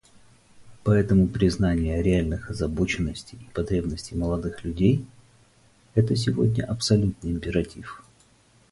Поэтому признание реальных озабоченностей и потребностей молодых людей — это сегодня абсолютный императив.